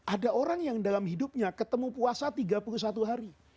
ada orang yang dalam hidupnya ketemu puasa tiga puluh satu hari